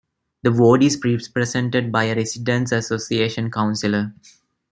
The ward is represented by a Residents' association councillor.